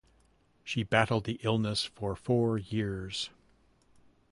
She battled the illness for four years.